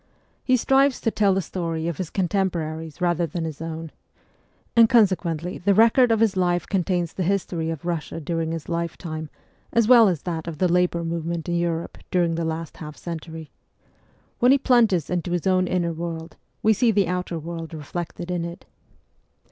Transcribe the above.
He strives to tell the story of his contemporaries rather than his own ; and consequently, the record of his life contains the history of Kussia during his lifetime, as well as that of the labour move PREFACE Vll ment in Europe during the last half century. When he plunges into his own inner world, we see the outer world reflected in it.